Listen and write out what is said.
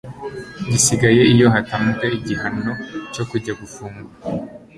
gisigaye iyo hatanzwe igihano cyo kujya gufungwa,